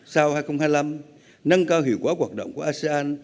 sau hai nghìn hai mươi năm nâng cao hiệu quả hoạt động của asean